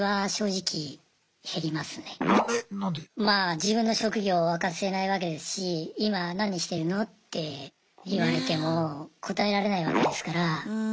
まぁ自分の職業を明かせないわけですし今何してるのって言われても答えられないわけですから。